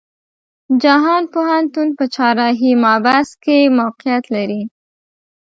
جهان پوهنتون په چهارراهی محبس کې موقيعت لري.